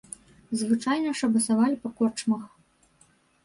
Звычайна шабасавалі па корчмах.